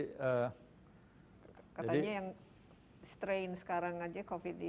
katanya yang strain sekarang saja covid sembilan belas